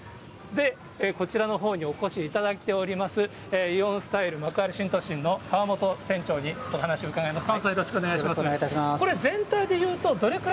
こちらのほうにお越しいただいております、イオンスタイル幕張新都心の河本店長にお話を伺います。